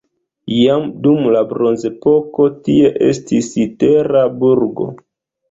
Jam dum la bronzepoko tie estis tera burgo.